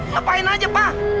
ngapain aja pak